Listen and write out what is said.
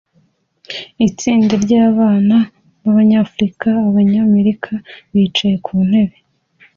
Itsinda ryabana banyafrika-Abanyamerika bicaye ku ntebe